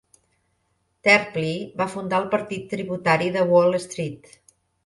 Tarpley va fundar el Partit Tributari de Wall Street.